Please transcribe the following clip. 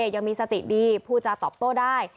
ยังมีสติดีผู้จาตอบโต้ได้